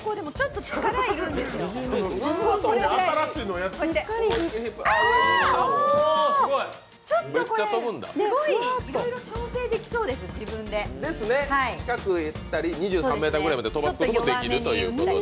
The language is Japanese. いろいろ調整できそうです、自分で近くにやったり、２３ｍくらい飛ばすこともできるということで。